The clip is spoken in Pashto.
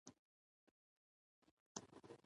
دوه قاموسونه یې ولیکل خو په هغه وخت کې چاپ نه شول.